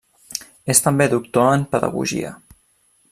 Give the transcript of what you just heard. És també doctor en pedagogia.